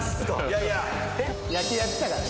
野球やってたからね。